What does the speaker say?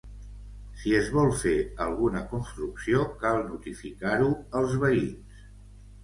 Si es vol fer alguna construcció, cal notificar-ho als veïns.